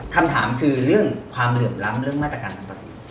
คำถามคือเรื่องความเหลื่อมล้ำเรื่องมาตรการทางภาษี